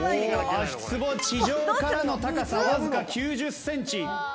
足つぼ地上からの高さはわずか９０センチ。